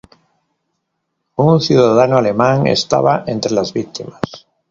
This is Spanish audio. Un ciudadano alemán estaba entre las víctimas.